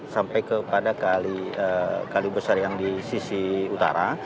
sampai kepada kali besar yang di sisi utara